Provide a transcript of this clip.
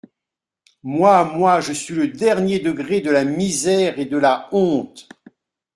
Moi, moi, je suis le dernier degré de la misère et de la honte.